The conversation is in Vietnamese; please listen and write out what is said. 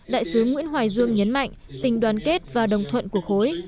đại sứ nguyễn hoài dương nhấn mạnh tình đoàn kết và đồng thuận của khối